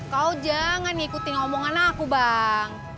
kau jangan ngikutin omongan aku bang